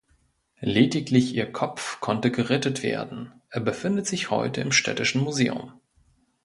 Lediglich ihr Kopf konnte gerettet werden, er befindet sich heute im Städtischen Museum.